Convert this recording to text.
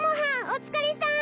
お疲れさん